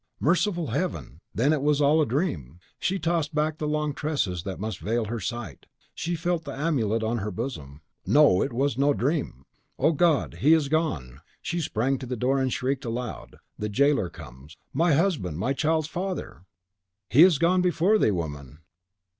Merciful Heaven! was it then all a dream? She tossed back the long tresses that must veil her sight; she felt the amulet on her bosom, it was NO dream! "O God! and he is gone!" She sprang to the door, she shrieked aloud. The jailer comes. "My husband, my child's father?" "He is gone before thee, woman!"